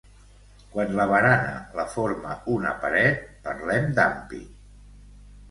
Quan la barana la forma una paret, parlem d'ampit.